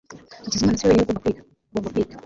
hakizimana siwe wenyine ugomba kwiga. ngomba kwiga